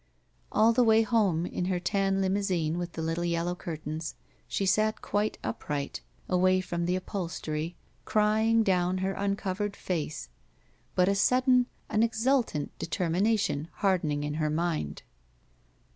All the way home, in her tan limousine with the little yellow curtains, she sat quite upright, away from the upholstery, crying down her imcovered face, but a sudden, an exultant determination hardening in her mind.